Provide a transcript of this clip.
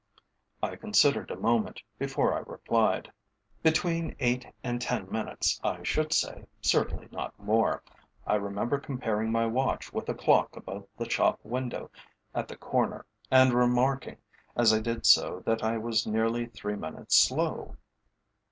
I considered a moment before I replied. "Between eight and ten minutes I should say, certainly not more. I remember comparing my watch with a clock above the shop window at the corner, and remarking as I did so that I was nearly three minutes slow."